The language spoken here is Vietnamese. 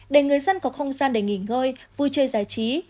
để người dân có không gian để nghỉ ngơi vui chơi giải trí